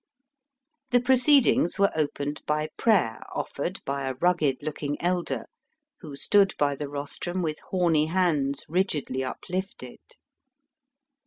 The proceedings were opened by prayer offered by a rugged looking elder, who stood by the rostrum with horny hands rigidly up lifted.